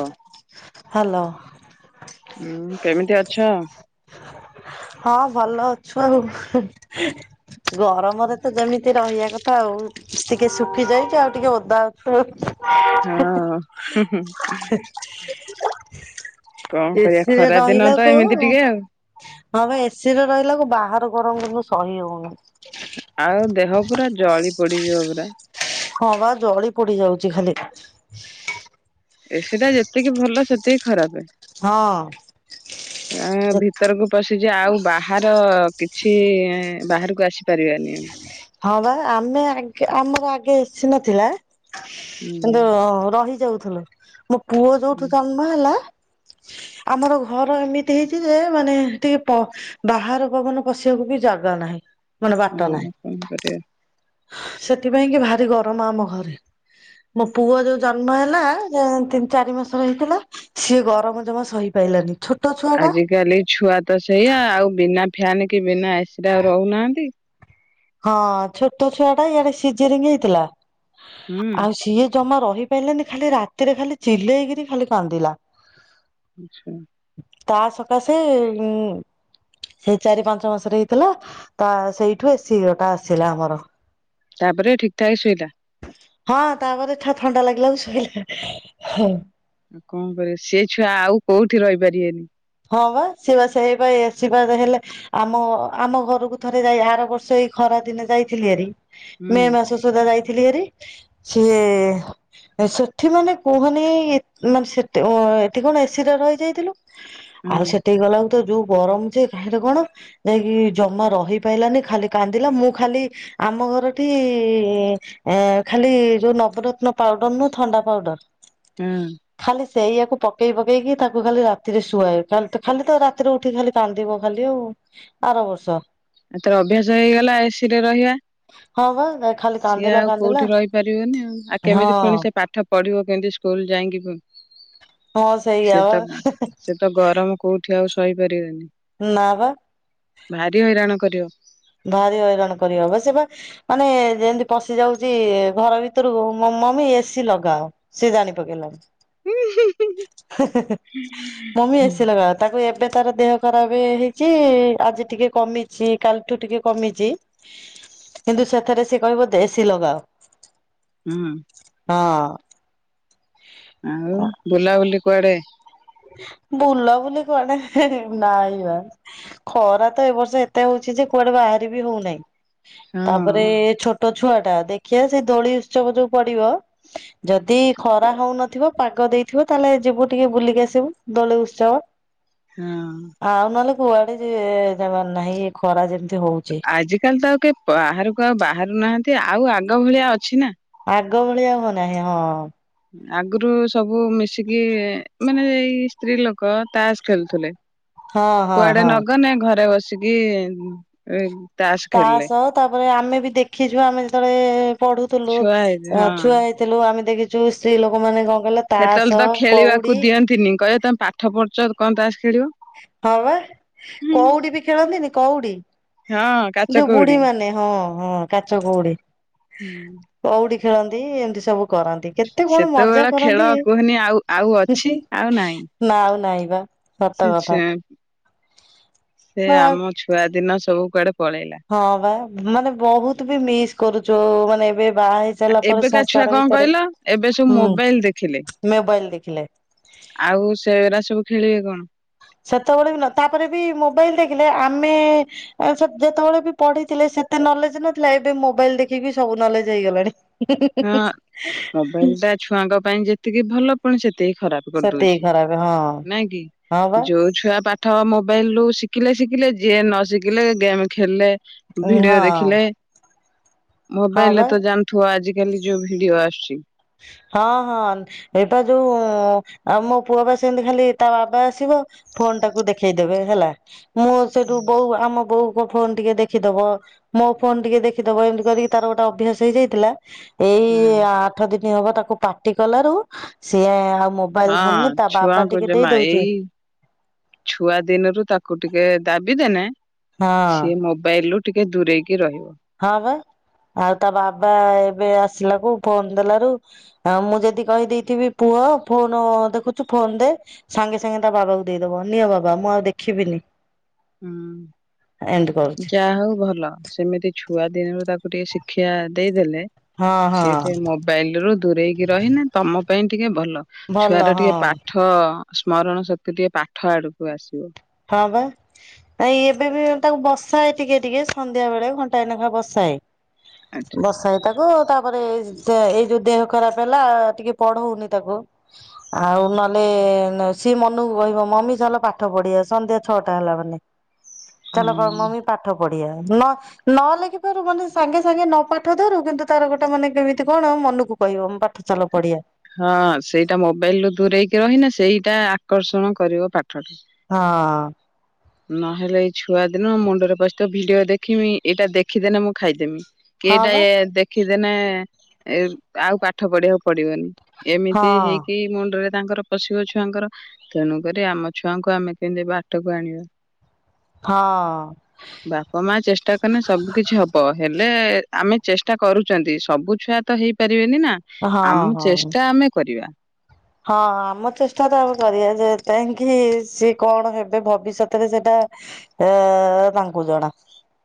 ହ। ହାଲୋ। ଉୁଁ କେମିତି ଅଛ? ହଁ ଭଲ ଅଛୁ ଆଉ ଗରମରେ ତ ଯେମିତି ତି ରହିବା କଥା ଆଉ ଟିକେ ଶୁଖି ଯାଇଛିି ଆଉ ଟିକେ ଓଦା ଅଛୁ ଆଉ। ହଁ ହୁଁ ହୁଁ। କଣ କରିବା ଏସିରେ ଖରାଦିନ ତ ରହିଲାକୁ ଏମିତି ଟିକେ ଆଉ। ହଁ ବା ଏ ସି ରେ ରହିଲା କୁ ବାହାର ଗରମ ଜମା ସହି ହଉନି। ଆଉ ଦେହ ପୁରା ଜଳି ପଡିଯିବ ପୁରା। ହଁ ବା ଜଳି ପଡି ଯାଉଛି ଖାଲି। ଏ ସି ଟା ଯେତିକି ଭଲ ସେତିକି ଖରାପ ହଁ ଆଁ ଭିତରକୁ ପଶିଚି ଆଉ ବାହାର କିଛି ବାହାରକୁ ଆସିପାରିବାନି। ହଁ ବା ଆମେ ଆଗ ଆମର ଆଗେ ଏ ସି ନଥିଲା। ହୁଁ। ହଁ ରହି ଯାଉଥିଲୁ ମୋ ପୁଅ ଯୋଉଠୁ ଜନ୍ମ ହେଲା ଆମର ଘର ଏମିତି ହେଇଛି ଯେ ମାନେ ଟିକେ ପ ବାହାର ପବନ ପଶିବାକୁ ବି ଜାଗା ନାହିଁ। ମାନେ ହଁ ବାଟ ନାହିଁ। କଣ କରିବା। ସେଥିପାଇଁ କି ଭାରି ଗରମ ଆମ ଘରେ। ମୋ ପୁଅ ଯୋଉ ଜନ୍ମ ହେଲା ତିନି ଚାରି ମାସ ର ହେଇଥିଲା ସିଏ ଗରମ ଜମା ସହି ପଲାନି ଛୋଟ ଛୁଆ ଟା ଆଜ କାଲି ଛୁଆ ତ ସେଇଆା ଆଉ ବିନା ଫ୍ୟାନ କି ବିନା ଏସି ଆଉ ରହୁନାହାନ୍ତି। ହଁ ଛୋଟ ଛୁଆ ଟା ଇଆଡେ ସିଜିରିଙ୍ଗ ହେଇଥିଲା ହୁଁ ଆଉ ସିଏ ଜମା ରହିପାରିଲାନି ଖାଲି ରାତିରେ ଖାଲି ଚିଲେଇକିରି ଖାଲି କାନ୍ଦିଲା। ଆଚ୍ଛା। ତା ସକାଶେ ଉଁ ସେ ଚାରି ପାଞ୍ଚ ମାସରେ ହେଇଥିଲା ତା ସେଇଠୁ ଏ ସି ଗଟା ଆସିଲା ଆମର। ତାପରେ ଠିକ ଠାକ ଶୋଇଲା? ହଁ ତାପରେ ଏଠା ଥଣ୍ଡା ଲାଗିଲା ତ ଶୋଇଲା। ଆଉ କଣ କରିବ ସେ ଛୁଆ ଆଉ କୋଉଠି ରହିପାରିବେନି। ହଁ ବା ସେବା ସେଇ ପା ଏ ସି ପା ହେଲେ ଆମ ଆମ ଘରକୁ ଥରେ ଯାଇ ଆର ବର୍ଷ ଏଇ ଖରା ଦିନେ ଯାଇଥିଲି ଏରି ହୁଁ ମେ ମାସ ସୁଧା ଯାଇଥିଲି ଏରି ସିଏ ସେଠି ମାନେ କୁହନି ମାନେ ସେଠି ଏଠି କଣ ଏ ସି ରେ ରହିଯାଇଥିଲୁ। ହୁଁ ଆଉ ସେଠକି ଗଲାକୁ ତ ଯୋଉ ଗରମ ଯେ କାହିଁରେ କଣ। ଯାଇକି ଜମା ରହି ପାଇଲାନି ଖାଲି କାନ୍ଦିଲା ମୁଁ ଖାଲି। ଆମ ଘରଠି। ଏ ଖାଲି ଯୋଉ ନବରତ୍ନ ପାଉଡର ନୁ ଥଣ୍ଡା ହୁଁ। ପାଉଡର। ଖାଲି ସେଇଆାକୁ ପକେଇ ପକେଇକି ତାକୁ ଖାଲି ରାତିରେ ଶୁଆଏ। ଖାଲ ତ ଖାଲି ତ ରାତିରେ ଉଠିକି ଖାଲି କାନ୍ଦିବ ଖାଲି ଆଉ ଆର ବର୍ଷ। ଏଥର ଅଭ୍ୟାସ ହେଇଗଲା ଏସିି ରେ ରହିବା। ହଁ ପା ଦେଖ। ସିଏ ଆଉ କୋଉଠି ରହିପାରିବନି ଆଉ ଆଉ ହଁ କେମିତି ଫୁଣି ସେ ପାଠ। ପଢିବ କେନ୍ତି ସ୍କୁଲ ଯାଇଁକି ଫୁ ହଁ ସେଇଆ ସେ ବା ତ ସେ। ତ ଗରମ କୋଉଠି ଆଉ ସହିପାରିବେନି। ନା ପା। ଭାରି ହଇରାଣ କରିବ। ଭାରି ହଇରାଣ କରିବବା ସେ ବା। ମାନେ ଯେମିତି ପଶି ଯାଉଛି ଘର ଭିତରୁକୁ ମମି ଏସିି ଲଗାଅ। ସେ ଜାଣି ପକେଇଲାଣି। ହୁଁ ମମି ଏସି ଲଗାଅ ତାକୁ ଏବେ ଥରେ ଦେହ। ଖରାପ ହେଇଛି ଆଜି ଟିକେ କମିଛି କା ଠୁ ଟିକେ କମିଛି କିନ୍ତୁ ସେଥେରେ ରେ କହିବ ଦେଶୀ ଲଗାଅ। ହୁଁ। ହଁ। ଆଉ ବୁଲାବୁଲି କୁଆଡେ? ବୁଲା ବୁଲି କୁହଣେ ନାଇଁ ବା। ଖରା ତ ଏ ବର୍ଷ ଏତେ ହଉଛି ଯେ କୁଆଡେ ବାହାରି ବିି ହଉନାଇଁ ହଁ ତାପରେ ଛୋ ତ ଛୁଆଟା ଦେଖିବା ସେଦୋଳି ଉତ୍ସବ ଯୋଉ ପଡିବ। ଯଦି ଖରା ହଉନଥିବ ପାଗ ଦେଇଥିବ ତାହେଲେ ଯିବୁ ଟିକେ ବୁଲିକି ଆସ ଥିବୁ ଦୋଳ ଉସ୍ଵବ। ହଁ। ଆଉ ନହେଲେ କୁଆଡେ ଯେ ଜବାର ନାହିଁ ଖରା ଯେମିତି ହଉଛି। ଆଜିକାଲି ତ ଆଉ କିଏ ବା ବାହାରକୁ ଆଉ ବାହାରୁ ନାହାନ୍ତି ଆଉ ଆଗ ଭଳିଆ ଅଛି ନା? ଆଗ ଭଳି ଆଉ ହଉ ନାହିଁ ହେୟା ହଁ। ଆଗୁରୁ ସବୁ ମିଶିକି ମାନେ ଏଇ ସ୍ତ୍ର ଲୋକ ତାସ ଖେଳୁଥିଲେ। ହଁ ହଁ କୁଆଡେ ହଁ ନଗନେ ଘରେ ବସିକି। ତାସ ତାପରେ ଆମେ ବି ଦେଖିଚୁ ଆମେ ଯେତେବେଳେ ପଢ଼ୁଥୁଲୁ। ଛୁଆ ହେଇଚି ହଁ। ଥିଲୁ ଆମେ ଦେଖିଛୁ ସ୍ତ୍ରୀ ଲୋକମାନୋନ କଣ କହିଲ। ତାସ ହେତେବଳେ ତ କଉଡି ଖେଳିବାକୁ ଦିଅନ୍ତିନି କହିବେ ତମେ ପାଠ ପଢୁଛ କଣ ତାସ ଖେଳିବ। ହଁ ବା ହୁଁ କଉଡି ବି ଖେଳନ୍ତିନି କଉଡି? ହଁ କାଚ ଯୋଉ ବୁଢୀ କଉଡି। ମାନେ ହଁ ହଁ କାଚ କଉଡି। କଉଡ଼ି ଖେଳନ୍ତି ଏମତି ସବୁ। କରନ୍ତି କେତେ କଣ ମଜା ସେତେବେଳେ ଖେଳ କରନ୍ତି। କୁହନି ଆଉ ଆଉ ଅଛି ଆଉ ନାହିଁ। ନା ଆଉ ନାଇଁ ବା। ସତ ସେ କଥା ଛୁ ସେ ବା ଆମ ଛୁଆଦିନ ସବୁ କୁଆଡେ ପଳେଇଲା। ହଁ ବା ମାନେ ବହୁତ ବି ମିସ୍ କରୁଛୁ ମାନେ ଏବେ ବାହା ହେଇ ସାରିଲା ପରେ ଏବେକା ଛୁଆ ସଂସାର କଣ ଭିତରେ କହିଲ ଏବେ ସବୁ ହୁଁ ମୋବାଇଲ ଦେଖିଲେ। ମୋବାଇଲ ଦେଖିଲେ ଆଉ ସେଗୁରା ସବୁ ଖେଳିବେ କଣ। ସେତେବଳେବି ନ ତାପରେ ବି ମୋବାଇଲ ଦେଖିଲେ ଆମେ। ଆ ସେ ଯେତେବେଳେ ବି ପଢିଥିଲେ ସେତେ ନଲେଜ ନଥିଲା ଏବେ ମୋବାଇଲ ଦେଖିକି ସବୁ ନଲେଜ ହେଇଗଲାଣି। ହ ହଁ ମୋବାଇଲ [unintelligible] ଟା ଛୁଆଙ୍କ ପାଇଁ ଯେତିକି ଭଲ ପୁଣି ସେତିକି ଖରାପ ସେତିକି କରିଦଉଛି ଖରାପ ହଁ ନାଇଁ କି ହଁ ବା ଯଉ ଛୁଆ ପାଠ ମୋବାଇଲ ରୁ ଶିଖିଲେ ଶିଖିଲେ ଯିଏ ନ ଶିଖିଲେ ଗେମ୍ ଖେଳିଲେ ହଁ ଭିଡିଓ ଦେଖିଲେ। ହଁ ମୋବାଇଲ ରେ ବା ତ ଜାଣିଥିବ ଆଜିିକାଲି ଯୋଉ ଭିଡିଓ ଆସୁଛି। ହଁ ହଁ। ଏ ପା ଯୋଉ ଆ ମୋ ପୁଅ ପା ସେମିତି ଖାଲି ତା ବାବା ଆସିବ ଫୋନ ଟାକୁ ଦେଖେଇଦବେ ହେଲା ମୁଁ ସେଇଠୁ ବୋଉ ଆମ ବୋଉ ମୋ ଫୋନ ଟିକେ ଦେଖିଦବ ମୋ ଫୋନ ଟିକେ ଦେଖିଦବ ଏମିତି କରିକି ତାର ଗୋଟେ ଅଭ୍ୟାସ ହେଇଯାଇଥିଲା ଏଇ ହୁଁ ଆଠ ଦିନ ହବ ତାକୁ ପାଟି କଲାରୁ ସିଏ ଆଉ ମୋ ମୋବାଇଲ ଧରୁନି ହଁ ତା ବାବା ଛୁଆଙ୍କୁ ଟିକେ ଜମା ଦେଇଦଉଛି ଏଇ ଛୁଆ ଦିନରୁ ତାକୁ ଟିକେ ଦାବି ଦେନେ ହଁ ସିଏ ମୋବାଇଲ ରୁ ଟିକେ ଦୂରେଇକି ରହିବ। ହଁ ବା ଆଉ ତା ବାବା ଏବେ ଆସିଲାକୁ ଫୋନ ଦେଲାରୁ ହ ମୁଁ ଯଦି କହିଦେଇଥିବି ପୁଅ ଫୋନ ଦେଖୁଛୁ ଫୋନ ଦେ ସାଙ୍ଗେ ସାଙ୍ଗେ ତା ବାବାକୁ ଦେଇଦବ ନିଅ ବାବା ମୁଁ ଆଉ ଦେଖିବିନି। ଏମିତି ହୁଁ କରୁଛି ଯାହା ହଉ ଭଲ। ସେମିତି ଛୁଆ ଦିନରୁ ତାକୁ ଟିକେ ଶିକ୍ଷା ଦେଇଦେଲେ ହଁ ହଁ ସିଏ ଟିକେ ମୋବାଇଲ ରୁ ଦୂରେଇକି ରହିନେ ତମ ପାଇଁ ଟିକେ ଭଲ ଭଲ ଛୁଆର ହଁ ଟିକେ ପା ପାଠ ସ୍ମରଣ ଶକ୍ତି ଟିକେ ପାଠ ଆଡକୁ ଆସିବ। ହଁ ବା। ନାଇଁ ଏବେ ବି ତାକୁ ବସାଏ ଟିକେ ଟିକେ ସନ୍ଧ୍ୟା ବେଳେ ଘଣ୍ଟା ନେଖା ବସାଏ,। ଆଚ୍ଛା ବଷା ଏ। ତାକୁ ତାପରେ ଏଇ ଯୋଉ ଦେହ ଖରାପ ହେଲା ଟିକେ ପଢଉନି ତାକୁ। ଆଉ ନହେଲେ ସିଏ ମନୁକୁ କହିବ ମମି ଚାଲ ପାଠ ପଢିଆ ସନ୍ଧ୍ୟା ଛଅଟା ହେଲା ମାନେ ଚାଲ ହୁଁ। ମମି ପାଠ ପଢିବା ନ ନ ଲେଖିପାରୁ ମାନେ ସାଙ୍ଗେ ସାଙ୍ଗେ ନ ପାଠ ଧରୁ କିନ୍ତୁ ତାର ଗୋଟେ ମାନେ କେମିତି କଣ ମନକୁ କହିବ ମୁଁ ପାଠ ଚଲୋ ପଢିଆ ହଁ ସେଇଟା ମୋବାଇଲ ରୁ ଦୂରେଇକି ରହିନେ ସେଇଟା ଆକର୍ଷଣ କରିବ ପାଠଟା। ହଁ। ନହେଲେ ଏଇ ଛୁଆ ଦିନୁ ମୁଣ୍ଡରେ ପସିଥବଛି ଭିଡିଓ ଦେଖମି ଏଇଟା ଦେଖିଦେଲେ ମୁଁ ଖାଇଦେମି। ହଁ କେଇଟା ବା ଦେଖିଦେନେ ନ ଆଉ ପାଠ ପଢିବାକୁ ପଡିବନି ହଁ ଏମିତି ହେଇକି ମୁଣ୍ଡରେ ତାଙ୍କର ପସିବ ଛୁଆଙ୍କର ତେଣୁକରି ଆମ ଛୁଆଙ୍କୁ ଆମେ କେମିତି ବାଟକୁ ଆଣିବା। ହଁ। ବାପା ମା ଚେଷ୍ଟା କନେ ସବୁ କିଛି ହବ ହେଲେ ଆମେ ଚେଷ୍ଟା କରୁଛନ୍ତି ସବୁ ଛୁଆ ତ ହେଇପାରିବେନି ନା ହଁ ଆମ ହଁ। ଚେଷ୍ଟା ଆମେ କରିବା ହଁ ଆମ ଚେଷ୍ଟା ତ ଆମେ କରିବା ଯେ ଯାଇକି ସି କଣ ହେବେ ଭବିଷ୍ୟତରେ ସେଟା ଏ ତାଙ୍କୁ ଜଣା।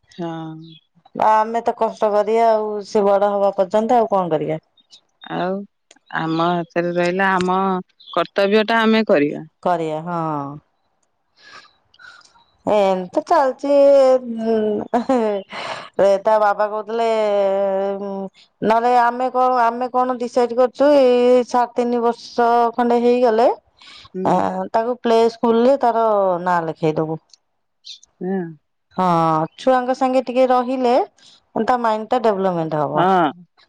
ହଁ। ଆମେ ତ କଷ୍ଟ କରିବା ଆଉ ସେ ବଡ ହବା ପର୍ଯ୍ୟନ୍ତ ଆଉ କଣ କରିବା। ଆଉ ଆମ ହାତରେ ରହିଲା ଆମ କର୍ତ୍ତବ୍ୟ ଟା ଆମେ କରି ବା କରିବା ହଁ। ଏମିତି ଚାଲିଛିରେ ତା ବାବା କହୁ। ବଲେ [unintelligible] ନହେଲେ ଆମେ କଣ ଆମେ କଣ ଡିସାଇଡ କରିଛୁ, ଏଇ ସାଢେ ତିନି ବର୍ଷ ଖଣ୍ଡେ ହେଇଗଲେ ହୁଁ ଆ ତାକୁ ପ୍ଲେ ସ୍କୁଲରେ ତାର ନାଁ ଲେଖେଇଦବୁ। ହୁଁ। ହଁ, ଛୁଆଙ୍କ ସାଙ୍ଗେ ଟିକେ ରହିଲେ, ମାନେ ତା ମାଇଣ୍ଡ ଟା ଡେଭଲପମେଣ୍ଟ ହବ। ହଁ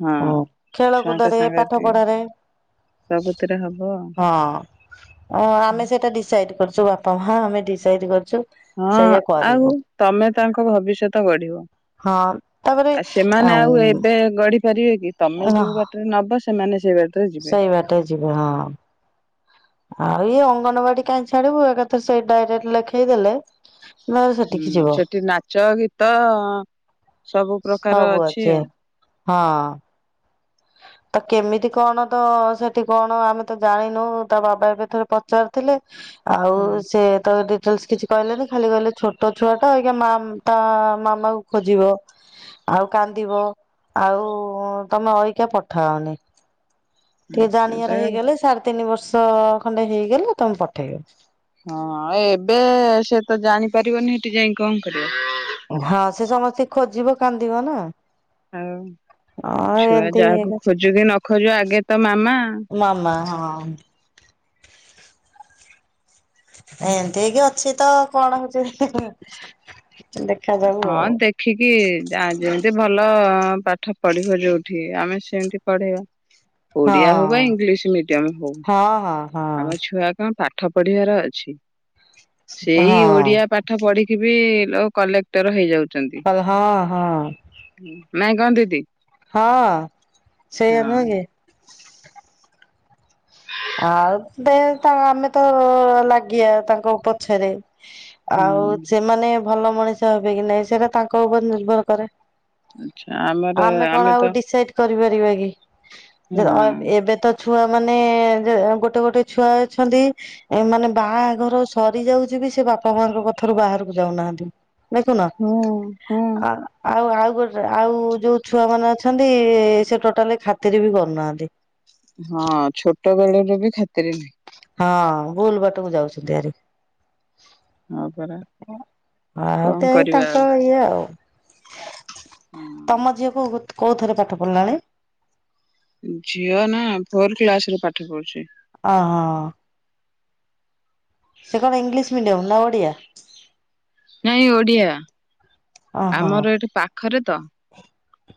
ହଁ ହୁଁ ଖେଳ ଛୁଆଙ୍କ କୁଦରେ, ସାଙ୍ଗରେ ପାଠ ଟିକେ ପଢାରେ, ସବୁଥିରେ ହବ ଆଉ। ହଁ, ଆମେ ସେଇଟା ଡିସାଇଟ କରିଛୁ ବା ହଁ ଆମେ ଡିସାଇଟ କରିଛୁ। ହଁ, ସେଇଆ ଆଉ କରିବୁ ତମେ ତାଙ୍କ ଭବିଷ୍ୟତ ଗଢିବ। ହଁ ତାପରେ ଆଉ ସେମାନେ ଆଉ ଏବେ ଗଢି ପାରିବେ କି? ତମେ ଯୋଉ ବାଟରେ ନବ, ସେମାନେ ସେ ବାଟ ସେଇ ବାଟରେ ଯିବେ ହଁ। ଆଉ ଇଏ ଅଙ୍ଗନବାଡି କାଇଁ ଛାଡିବୁ। ଏକାଥରେ ସେଇଟି ଡାଇରେକ୍ଟ ଲେଖେଇଦେଲେ ହୁଁ। ସେଠି ନାଚ, ଗୀତ, ସବୁ ପ୍ରକାର ଅଛି ଆଉ। ହଁ। ତ କେମିତି କଣ ତ ସେଠି କଣ ଆମେ ତ ଜାଣିନୁ। ତା ବାବା ଏବେ ଥରେ ପଚାରିଥିଲେ ଆଉ ହୁଁ ସେ ତ ଡିଟେଲସ କିଛି କହିଲେନି, ଖାଲି କହିଲେ ଛୋଟ ଛୁଆ ଟା ଅଇକା ମା ତା ମାମା କୁ ଖୋଜିବ, ଆଉ କାନ୍ଦିବ, ଆଉ ତମେ ଅଇକା ପଠାଅନି। ଟିକେ ସେଟା ଜାଣିଆର ହେଇଗଲେ, ସାଢେ ତିନି ବର୍ଷ ଖଣ୍ଡେ ହେଇଗଲେ ତମେ ପଠେଇବ। ହଁ, ଏବେ ସେ ତ ଜାଣିପାରିବନି, ସେଠି ଯାଇ କଣ କରିବ? ହଁ, ସେ ସମସ୍ତିଙ୍କି ଖୋଜିବ, କାନ୍ଦିବ ନା। ଆଉ ହଁ ଛୁଆ ଏମିତି ଯାହାକୁ ହେଇକି ଖୋଜୁ କିି ନ ଖୋଜୁ ଆଗେ ତ ମାମା। ମାମା ହଁ। ଏମିତି ହେଇକିି ଅଛି ତ କଣ ହଉଛି, ଦେଖାଯାଉ ହଁ ଆଉ। ଦେଖିକି ଯା ଯେମିତି ଭଲ ପାଠ ପଢ଼ିବ ଯୋଉଠି, ଆମେ ସେମିତି ପଢେଇବା। ଓଡ଼ିଆ ହଉ ବା ଇଂଲିଶ ମିଡିୟମ ହଉ ହଁ ହଁ ହଁ ଆମ ଛୁଆ କଣ ପାଠ ପଢିବାର ଅଛି। ହଁ ସେଇ ହଁ ଓଡ଼ିଆ ପାଠ ପାଠ ପଢିକି ବି ଲୋକ କଲେକ୍ଟର ହେଇଯାଉଛନ୍ତି। କହିଲେ ହଁ ହଁ। ନାଇଁ କଣ ଦିଦି? ହଁ, ସେଇଆ ହଁ ନୁହେଁ କି। ଆଉ ଦେ ତା ଆମେ ତ ଲାଗିଆ ତାଙ୍କ ପଛରେ ହୁଁ ଆଉ ସେମାନେ ଭଲ ମଣିଷ ହେବେ କି ନାଇଁ, ସେଟା ତାଙ୍କ ଉପରେ ନିର୍ଭର କରେ। ଆଛା ଆମର ଆମେ କଣ ଆଉ ତ ଡିସାଇଟ କରିପାରିବା କି? ହଁ ଏବେ ତ ଛୁଆ ମାନେ ଯେ ଗୋଟେ ଗୋଟେ ଛୁଆ ଅଛନ୍ତି, ଏ ମାନେ ବାହାଘର ସରିଯାଉଛି ବି ସେ ବାପା ମାଙ୍କ କଥାରୁ ବାହାରକୁ ଯାଉନାହାନ୍ତି। ଦେଖୁନ? ହଁ ହଁ ଆଉ ଆଉ ଗୋଟେ ଆଉ ଯୋଉ ଛୁଆ ମାନେ ଅଛନ୍ତି, ସେ ଟୋଟାଲି ଖାତିର ବି କରୁନାହାନ୍ତି। ହଁ ଛୋଟ ବେଳରୁ ବି ଖାତିର ନାହିଁ। ହଁ, ଭୁଲ ବାଟକୁ ଯାଉଛନ୍ତି ଆରି। ହଁ ପରା ଆଉ କଣ ତେଣିକି କରିବା ଆଉ ତାଙ୍କ ଇଏ ଆଉ। ହଁ ତମ ଝିଅ ପୁଅ କୋଉ ଥରେ ପାଠ ପଢ଼ିଲାଣି? ଝିଅ ନା ଫୋର କ୍ଲାସରେ ପାଠ ପଢୁଛି। ଅ, ହ। ସେ କଣ ଇଂଲିଶ ମିଡିୟମ୍ ନା ଓଡ଼ିଆ? ନାଇଁ ଓଡିଆ ଓହୋ ଆମର ଏଠି ପାଖରେ ତ।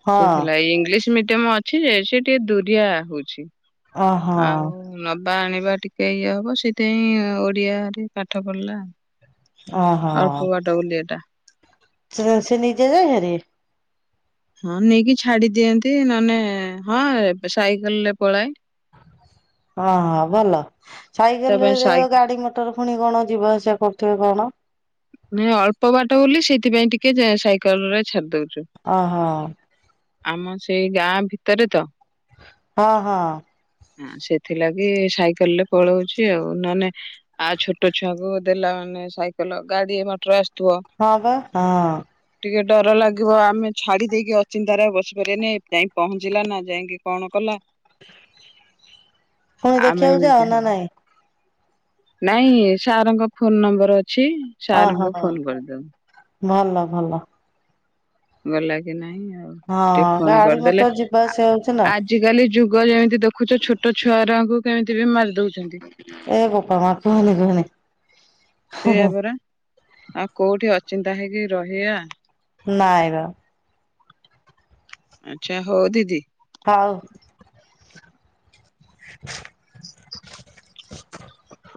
ହଁ ସେ ଥିଲା ଇଂଲିଶ ମିଡିୟମ ଅଛି ଯେ ସେ ଟିକେ ଦୁରିଆ ହଉଛି ଓହୋ ଆଉ ନବା ଆଣିବା ଟିକେ ଇଏ ହବ ସେଇଥିପାଇଁ ଓଡିଆରେ ପାଠ ପଢିଲା। ଓହୋ ଅଳ୍ପ ବାଟ ବୋଲି ଏଇଟା। ସେ ସେ ନିଜେ ଯାଇହେରି? ହଁ ନେଇକି ଛାଡି ଦିଅନ୍ତି ନହେଲେ ହଁ ଏବେ ସାଇକେଲ୍ ରେ ପଳାଏ। ହଁ ହଁ ଭଲ। ତା ସାଇକେଲ୍ ରେ ପାଇଁ ସାଇ ଯୋଉ ଗାଡି ମଟର ପୁଣି କଣ ଯିବା ଆସିବା କରୁଥିବେ କଣ? ଇଏ ଅଳ୍ପ ବାଟ ବୋଲି ସେଇଥିପାଇଁ ଟିକେ ଯା ସାଇକେଲ୍ ରେ ଛାଡି ଦଉଛୁ। ଓହୋ ଆମ ସେଇ ଗାଁ ଭିତରେ ତ। ହଁ ହଁ ହ ସେଥିଲାଗି ସାଇକେଲରେ ପଳଉଛି ଆଉ ନ ନେ ଆ ଛୋଟ ଛୁଆଙ୍କୁ ଦେଲା ମାନେ ସାଇକଲ ଗାଡି ମଟର ଆସୁଥିବ। ହଁ ବା ହଁ ଟିକେ ଡର ଲାଗିବ ଆମେ ଛାଡି ଦେଇକି ଅଚିନ୍ତାରେ ବସିପାରିବାନି ଯାଇ ପହଞ୍ଚିଲା ନା ଯାଇକି କଣ କଲା ପୁଣି ଆମେ ଦେଖିବାକୁ ଏମିତି ଯାଅ ହଉ ନା ନାଇଁ? ନାଇଁ ସାର୍ ଙ୍କ ଫୋନ୍ ନମ୍ବର୍ ଅଛି। ଓ ହୋ ସାରଙ୍କୁ ହ ଫୋନ କରିଦବୁ ଭଲ ଭଲ। ଗଲା କି ନାଇଁ ଆଉ ହଁ ଟିକେ ଫୋନ ଗାଡି କରିଦେଲେ ମଟର ଯିବା ଆ ଆସିବା ହଉଛି ନା। ଆଜିକାଲି ଯୁଗ ଯେମିତି ଦେଖୁଛ ଛୋଟ ଛୁଆରାଙ୍କୁ କେମିତି ବି ମାରି ଦଉଛନ୍ତି। ଏ ବୋପା ମା କୁହନୀ କୁହନୀ। ସେଇଆ ପରା ଆଉ କୋଉଠି ଅଚିନ୍ତା ହେଇକି ରହିବା। ନାଇଁ ବା। ଆଚ୍ଛା ହଉ ଦିଦି ହଉ। [inaudible] [inaudible]